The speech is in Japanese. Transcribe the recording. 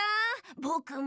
ぼくも。